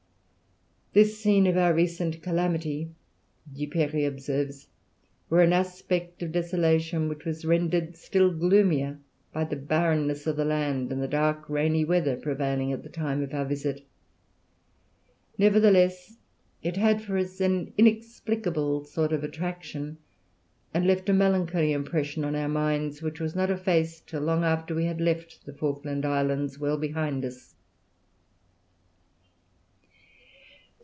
"This scene of our recent calamity," Duperrey observes, "wore an aspect of desolation which was rendered still gloomier by the barrenness of the land and the dark rainy weather prevailing at the time of our visit. Nevertheless, it had for us an inexplicable sort of attraction and left a melancholy impression on our minds, which was not effaced till long after we had left the Falkland Islands well behind us."